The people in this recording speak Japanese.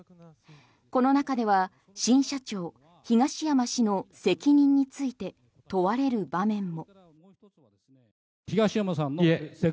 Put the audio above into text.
この中では新社長東山氏の責任について問われる場面も。